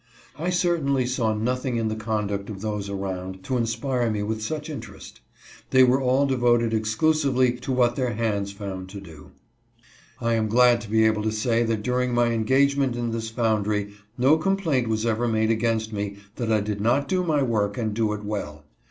I certainly saw nothing in the conduct of those around to inspire me with such interest ; they wee all devoted exclusively to what their hands found to do. I am glad to be able to say that during my engagement in this foundry no complaint was ever made against me that I did not do my work, and do it well.